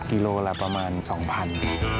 กิโลกรัมละประมาณ๒๐๐๐บาท